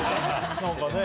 何かね。